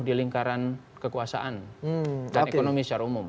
di lingkaran kekuasaan dan ekonomi secara umum